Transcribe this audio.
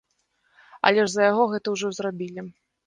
Але ж за яго гэта ўжо зрабілі.